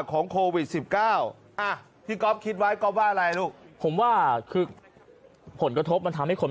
ยังมีกลุ่มพระสงค์จากวัดบาง